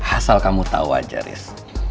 asal kamu tau aja res